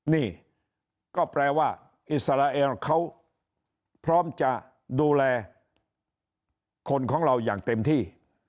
นี่ก็แปลว่าอิสราเอลเขาพร้อมจะดูแลคนของเราอย่างเต็มที่